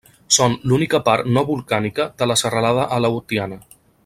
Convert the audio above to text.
Són l'única part no volcànica de la serralada Aleutiana.